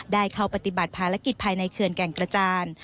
ได้เข้าปฏิบัติภารกิจภายในเขื่อนแก่งกระจาน